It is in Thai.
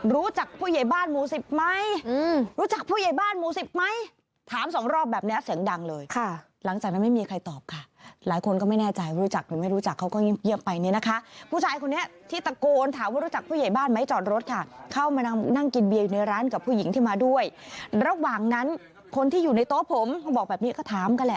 รู้จักผู้ใหญ่บ้านหมู่สิบไหมรู้จักผู้ใหญ่บ้านหมู่สิบไหมถามสองรอบแบบเนี้ยเสียงดังเลยค่ะหลังจากนั้นไม่มีใครตอบค่ะหลายคนก็ไม่แน่ใจรู้จักหรือไม่รู้จักเขาก็เงียบไปเนี่ยนะคะผู้ชายคนนี้ที่ตะโกนถามว่ารู้จักผู้ใหญ่บ้านไหมจอดรถค่ะเข้ามานั่งกินเบียร์อยู่ในร้านกับผู้หญิงที่มาด้วยระหว่างนั้นคนที่อยู่ในโต๊ะผมเขาบอกแบบนี้ก็ถามกันแหละ